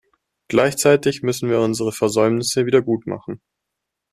Gleichzeitig müssen wir unsere Versäumnisse wiedergutmachen.